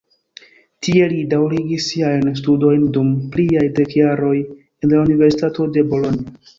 Tie li daŭrigis siajn studojn dum pliaj dek jaroj en la Universitato de Bolonjo.